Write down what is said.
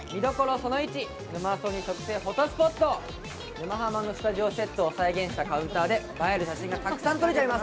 その１「沼ハマ」のスタジオセットを再現したカウンターで映える写真がたくさん撮れちゃいます。